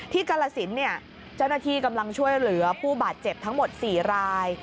ที่กาลสินจนาทีกำลังช่วยเหลือผู้บาดเจ็บทั้งหมด๔ราย